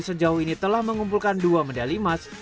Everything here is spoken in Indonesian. sejauh ini telah mengumpulkan dua medali emas